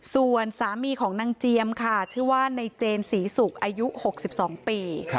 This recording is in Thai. ส่วนสามีของนะเจียมค่ะฉันว่าไนเจนศรีสุกอายุ๖๒ปี